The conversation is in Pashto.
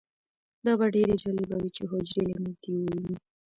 دا به ډیره جالبه وي چې حجرې له نږدې ووینو